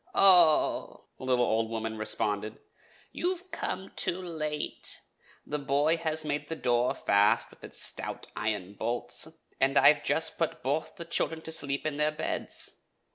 "Oho!" the little old woman responded, "you come too late. The boy has made the door fast with its stout iron bolts, and I have just put both the children to sleep in their beds.